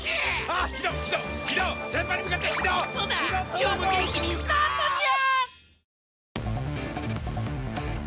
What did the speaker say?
今日も元気にスタートニャ！